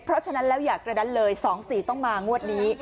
เพราะฉะนั้นแล้วอย่ากระดันเลย๒๔ต้องมางวดนี้